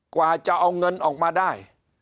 กว่าจะเอาเงินออกมาได้